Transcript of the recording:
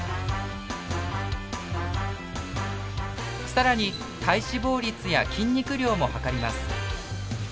更に体脂肪率や筋肉量も測ります。